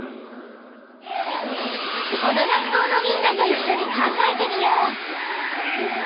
この学校のみんなといっしょに考えてみよう！